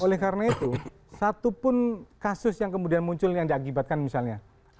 oleh karena itu satupun kasus yang kemudian muncul yang diakibatkan misalnya